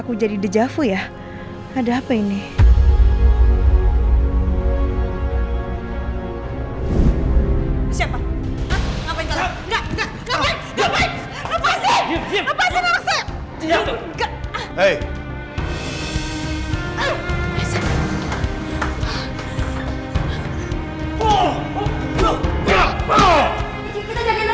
kita jagain lagi dulu